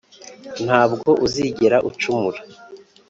nta bwo uzigera ucumura